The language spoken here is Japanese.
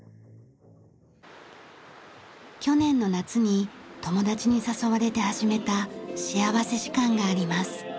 去年の夏に友達に誘われて始めた幸福時間があります。